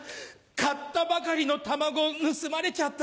買ったばかりの卵盗まれちゃった。